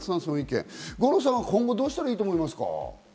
五郎さんは今後、どうしたらいいと思いますか？